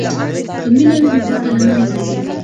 که مینه وي نو کرکه له منځه ځي.